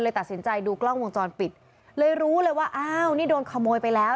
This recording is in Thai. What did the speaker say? ตัดสินใจดูกล้องวงจรปิดเลยรู้เลยว่าอ้าวนี่โดนขโมยไปแล้ว